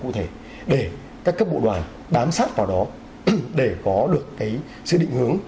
cụ thể để các cấp bộ đoàn bám sát vào đó để có được cái sự định hướng